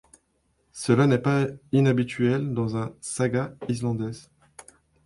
Cela n'est pas inhabituel dans une saga islandaise.